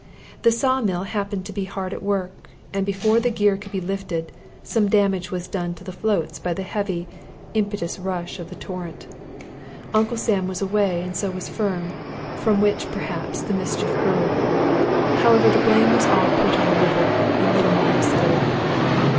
The saw mill happened to be hard at work; and before the gear could be lifted, some damage was done to the floats by the heavy, impetuous rush of the torrent. Uncle Sam was away, and so was Firm; from which, perhaps, the mischief grew. However, the blame was all put on the river, and little more was said of it.